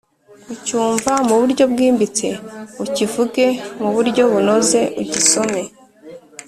ucyumva mu buryo bwimbitse, ukivuge mu buryo bunoze, ugisome